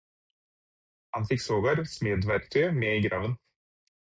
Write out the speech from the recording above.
Han fikk sågar smedverktøyet med i graven.